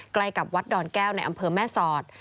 ใกล้กับวัดดอนแก้วในอำเภอแม่สอด